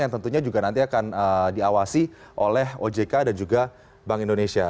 yang tentunya juga nanti akan diawasi oleh ojk dan juga bank indonesia